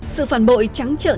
sự phản bội trắng trợn